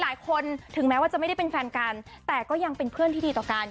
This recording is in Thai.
ถึงแม้ว่าจะไม่ได้เป็นแฟนกันแต่ก็ยังเป็นเพื่อนที่ดีต่อกัน